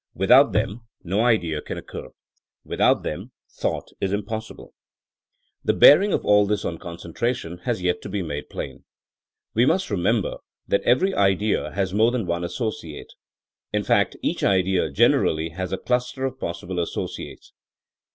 Without them no idea can occur. Without them thought is impossible. The bearing of all this on concentration has yet to be made plain. We must remember that every idea has more than one associate ; in fact that each idea generally has a cluster of pos sible associates.